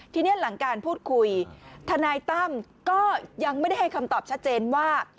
ทีนี้หลังการพูดคุยทนายตั้มก็ยังไม่ได้ให้คำตอบชัดเจนว่า